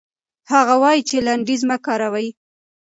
هغه وايي چې لنډيز مه کاروئ.